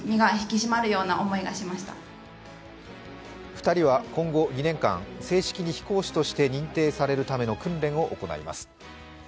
２人は今後２年間、正式に飛行士として認定されるための訓練を行います。